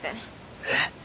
えっ！